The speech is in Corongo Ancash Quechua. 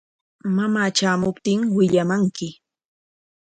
Mamaa tramuptin willamanki.